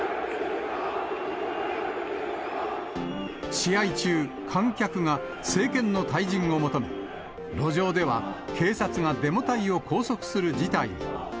試合中、観客が政権の退陣を求め、路上では警察がデモ隊を拘束する事態に。